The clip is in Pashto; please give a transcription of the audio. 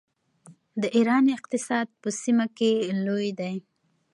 د ایران اقتصاد په سیمه کې لوی دی.